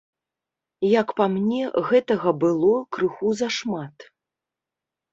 Як па мне, гэтага было крыху зашмат.